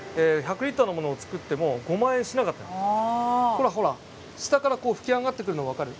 ほらほら下からこう噴き上がってくるの分かる？